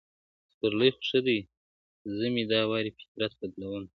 سپرلی خو ښه دی زه مي دا واري فطرت بدلوم,